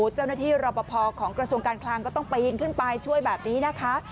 เจ้าหน้าที่รปภของกระทรวงการคลังก็ต้องปรีนขึ้นไปช่วยแบบนี้นะคะ